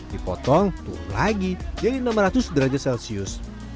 dipotong turun lagi jadi enam ratus derajat celcius